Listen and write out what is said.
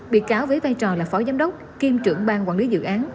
bị cáo với vai trò là phó giám đốc kiêm trưởng ban quản lý dự án